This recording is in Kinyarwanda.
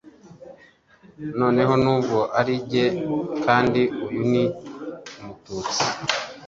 noneho nubwo ari njye. (kandi uyu ni umututsi)